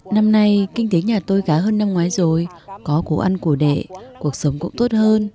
năm nay kinh tế nhà tôi khá hơn năm ngoái rồi có củ ăn củ đệ cuộc sống cũng tốt hơn